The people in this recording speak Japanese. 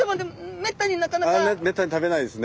めったに食べないですね。